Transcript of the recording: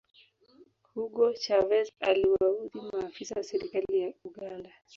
hugo chavez aliwaudhi maafisa wa serikali ya uganda